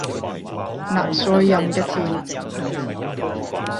納稅人嘅錢